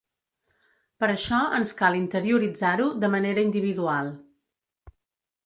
Per això ens cal interioritzar-ho de manera individual.